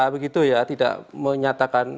begitu ya tidak menyatakan